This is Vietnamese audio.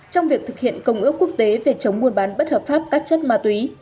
trong việc thực hiện công ước quốc tế về chống buôn bán bất hợp pháp các chất ma túy